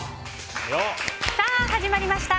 さあ、始まりました。